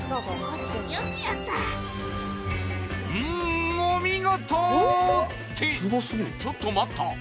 うーんお見事！ってちょっと待った！